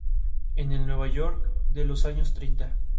En el Nueva York de los años treinta.